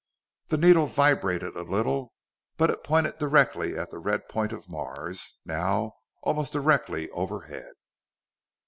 The needle vibrated a little, but it pointed directly at the red point of Mars, now almost directly overhead.